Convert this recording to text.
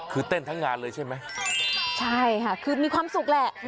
คือเต้นทั้งงานเลยใช่ไหมใช่ค่ะคือมีความสุขแหละ